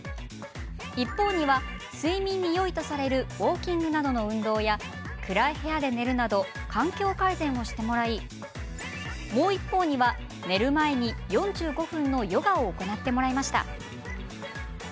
一方には、睡眠によいとされるウォーキングなどの運動や暗い部屋で寝るなど環境改善をしてもらいもう一方には、寝る前に４５分のヨガを行ってもらいました。